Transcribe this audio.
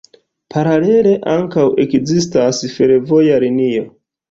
Paralele ankaŭ ekzistas fervoja linio.